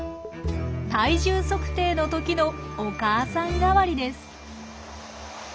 体重測定のときのお母さん代わりです。